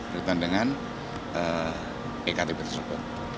berbanding dengan ektp tersebut